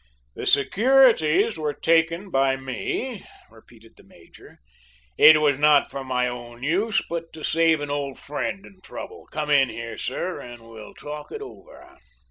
"The securities were taken by me," repeated the major. "It was not for my own use, but to save an old friend in trouble. Come in here, sir, and we'll talk it over."